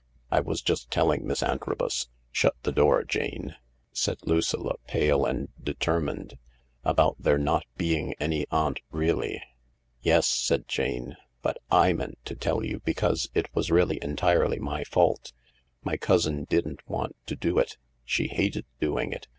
" I was just telling Miss Antrobus — shut the door, Jane/' THE LARK 275 said Lucilla, pale and determined —" about there not being any aunt really," " Yes," said Jane, " but / meant to tell you because it was really entirely my fault. My cousin didn't want to do it. She hated doing it.